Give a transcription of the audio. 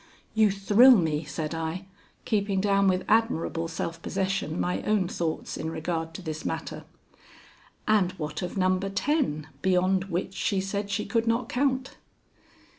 "You thrill me," said I, keeping down with admirable self possession my own thoughts in regard to this matter. "And what of No. ten, beyond which she said she could not count?"